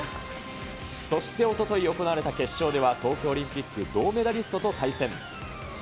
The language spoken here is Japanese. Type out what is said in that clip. そしておととい行われた決勝では、東京オリンピック銅メダリストと対戦。